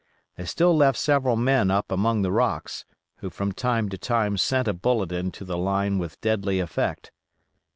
They still left several men up among the rocks, who from time to time sent a bullet into the line with deadly effect.